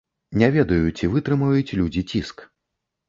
Не ведаю, ці вытрымаюць людзі ціск.